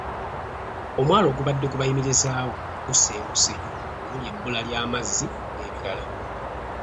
Omwalo ogubadde gubayimirizaawo gusenguse omuli ebbula ly’amazzi n’ebirala.